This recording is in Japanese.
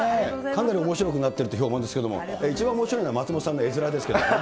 かなりおもしろくなってるって評判ですけれども、一番おもしろいのは、松本さんの絵面ですけけど。